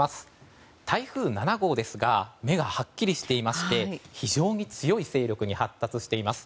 台風７号ですが目がはっきりしていまして非常に強い勢力に発達しています。